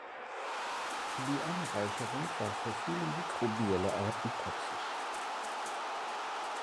Die Anreicherung war für viele mikrobielle Arten toxisch.